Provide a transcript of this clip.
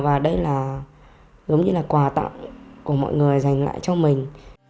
và cảm thấy là giống như là quà tặng của mọi người dành lại cho mình